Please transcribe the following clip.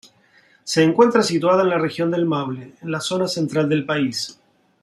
Se encuentra situada en la Región del Maule, en la zona central del país.